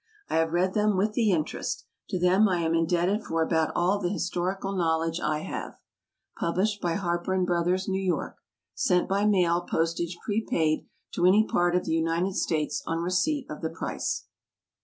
I have read them with the interest. To them I am indebted for about all the historical knowledge I have._" PUBLISHED BY HARPER & BROTHERS, NEW YORK. _Sent by mail, postage prepaid, to any part of the United States, on receipt of the price.